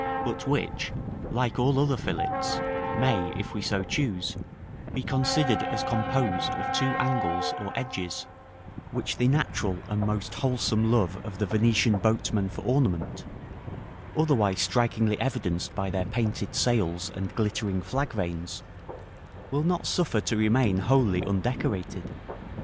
but which, like all other fillets, may, if we so choose, be considered as composed of two angles or edges, which the natural and most wholesome love of the Venetian boatmen for ornament, otherwise strikingly evidenced by their painted sails and glittering flag vanes, will not suffer to remain wholly undecorated.